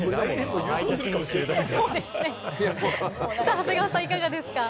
長谷川さん、いかがですか？